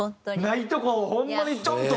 ないとこをホンマにちょんと。